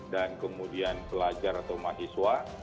dan kemudian pelajar atau mahasiswa